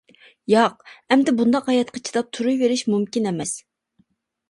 ياق، ئەمدى بۇنداق ھاياتقا چىداپ تۇرۇۋېرىش مۇمكىن ئەمەس!